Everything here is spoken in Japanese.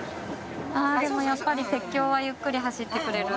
やっぱり鉄橋はゆっくり走ってくれる。